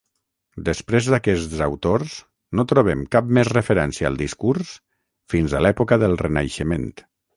Després d'aquests autors no trobem cap més referència al discurs fins a l'època del Renaixement.